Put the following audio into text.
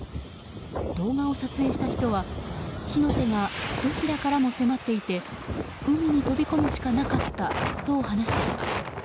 動画を撮影した人は火の手がどちらからも迫っていて海に飛び込むしかなかったと話しています。